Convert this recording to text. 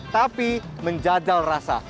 tapi menjajal rasa